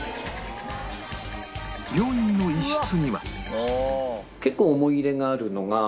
病院の一室には